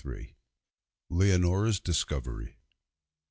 LEONORA'S DISCOVERY.